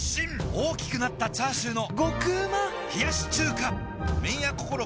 大きくなったチャーシューの麺屋こころ